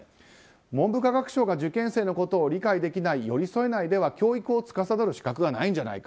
文部科学省が受験生のことを理解できない寄り添えないでは教育をつかさどる資格はないんじゃないか。